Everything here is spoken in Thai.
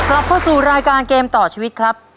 กลับเข้าสู่รายการเกมต่อชีวิตครับ